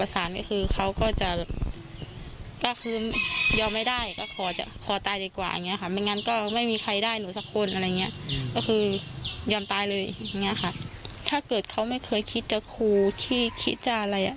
ถ้าให้เขาไม่คือคิดว่าจะครูคิดว่าจะอะไร